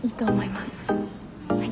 はい。